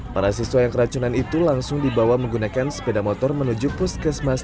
para siswa yang keracunan itu langsung dibawa menggunakan sepeda motor menuju puskesmas